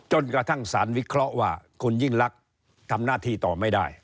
จนกระทั่งสารวิเคราะห์ว่าคุณยิ่งลักษณ์ทำหน้าที่ต่อไม่ได้